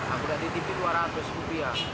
aku lihat di tv dua ratus rupiah